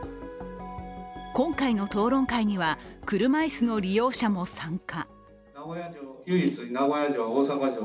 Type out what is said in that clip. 今回の討論会には、車椅子の利用者も参加。